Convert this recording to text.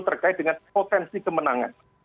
terkait dengan potensi kemenangan